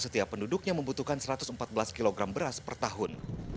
setiap penduduknya membutuhkan satu ratus empat belas kg beras per tahun